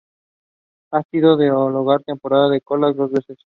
Ha sido el hogar temporal de koalas dos veces.